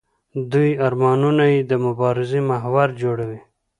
دوی ارمانونه یې د مبارزې محور جوړوي.